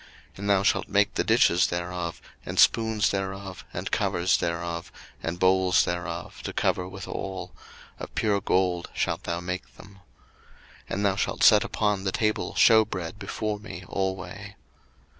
02:025:029 And thou shalt make the dishes thereof, and spoons thereof, and covers thereof, and bowls thereof, to cover withal: of pure gold shalt thou make them. 02:025:030 And thou shalt set upon the table shewbread before me alway.